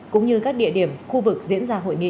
cũng như các địa điểm khu vực diễn ra hội nghị